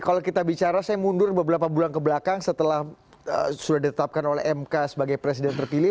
kalau kita bicara saya mundur beberapa bulan kebelakang setelah sudah ditetapkan oleh mk sebagai presiden terpilih